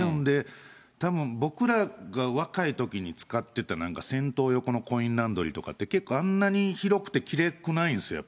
たぶん僕らが若いときに使ってた銭湯横のコインランドリーとかって、結構、あんなに広くてきれいくないんですよ。